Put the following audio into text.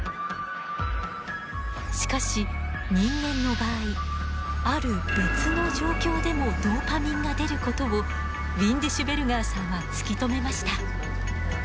しかし人間の場合ある別の状況でもドーパミンが出ることをウィンディシュベルガーさんは突き止めました。